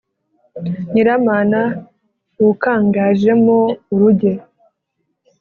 Nyiramana wukangajemo uruge,